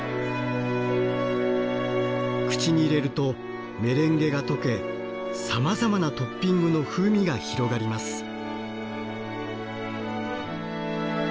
口に入れるとメレンゲが溶けさまざまなトッピングの風味が広がります。